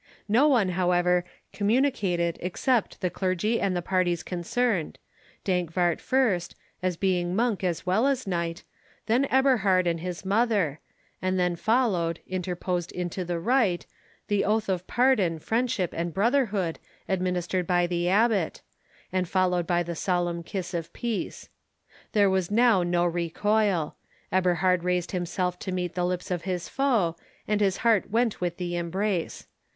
No one, however, communicated except the clergy and the parties concerned—Dankwart first, as being monk as well as knight, then Eberhard and his mother; and then followed, interposed into the rite, the oath of pardon, friendship, and brotherhood administered by the abbot, and followed by the solemn kiss of peace. There was now no recoil; Eberhard raised himself to meet the lips of his foe, and his heart went with the embrace.